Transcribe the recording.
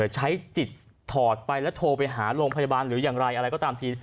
ใช้จิตถอดไปแล้วโทรไปหาโรงพยาบาลหรืออย่างไรอะไรก็ตามที